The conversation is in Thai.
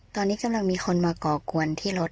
ตอนนี้กำลังมีคนมาก่อกวนที่รถ